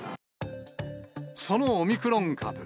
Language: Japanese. そのオミクロン株。